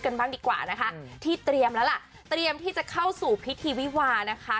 บ้างดีกว่านะคะที่เตรียมแล้วล่ะเตรียมที่จะเข้าสู่พิธีวิวานะคะ